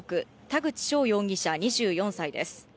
・田口翔容疑者、２４歳です。